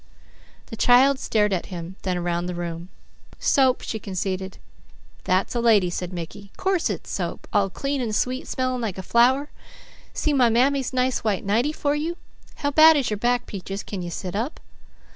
The child stared at him, then around the room. "Soap," she conceded. "That's a lady," said Mickey. "Course it's soap! All clean and sweet smelling like a flower. See my mammy's nice white nightie for you? How bad is your back, Peaches? Can you sit up?"